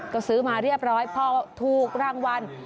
ก็ซื้อมาเรียบร้อยพอถูกรางวัล